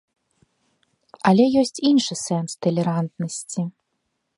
Але ёсць іншы сэнс талерантнасці.